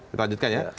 kita lanjutkan ya